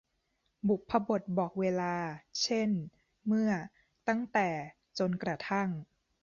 บุพบทบอกเวลา เช่น เมื่อ ตั้งแต่ จนกระทั่ง